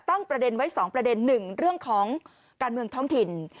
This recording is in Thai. ตั้งประเด็นไว้๒ประเด็น๑เรื่องของการเมืองท้องถิ่น